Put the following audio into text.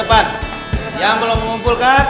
seperti yang belum mengumpulkan